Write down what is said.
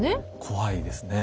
怖いですね。